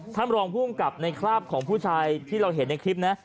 รองภูมิกับในคราบของผู้ชายที่เราเห็นในคลิปนะ